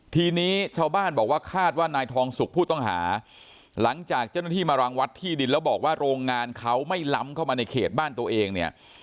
ทีนี้ชาวบ้านบอกว่าคาดว่านายทองสุกผู้ต้องหาหลังจากเจ้าหน้าที่มารังวัดที่ดินแล้วบอกว่าโรงงานเขาไม่ล้ำเข้ามาในเขตบ้านตัวเองเนี่ย